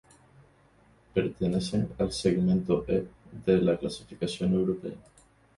Pertenecen al segmento E de la clasificación europea.